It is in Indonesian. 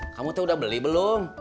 kamu tuh udah beli belum